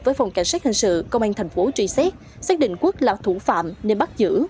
với phòng cảnh sát hình sự công an tp hcm xác định quốc là thủ phạm nên bắt giữ